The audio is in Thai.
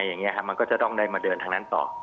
อย่างนี้ครับมันก็จะต้องได้มาเดินทางนั้นต่อ